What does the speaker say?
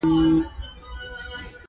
که ګاونډي ته ماشوم پیدا شي، مبارکي ورکړه